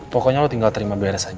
pokoknya lo tinggal terima beresan